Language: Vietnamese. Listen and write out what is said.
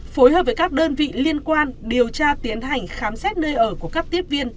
phối hợp với các đơn vị liên quan điều tra tiến hành khám xét nơi ở của các tiếp viên